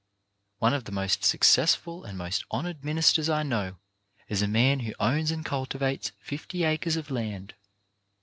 One of the most successful and most honoured ministers I know is a man who owns and culti vates fifty acres of land.